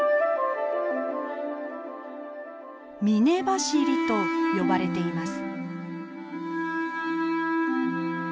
「峰走り」と呼ばれています。